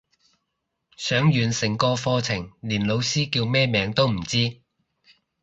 上完成個課程連老師叫咩名都唔知